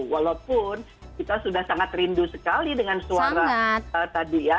walaupun kita sudah sangat rindu sekali dengan suara tadi ya